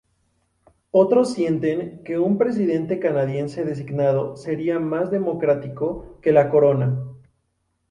Otros sienten que un presidente canadiense designado sería más democrático que la Corona.